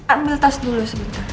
ambil tas dulu sebentar